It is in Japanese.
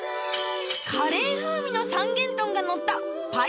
カレー風味の三元豚がのったあ。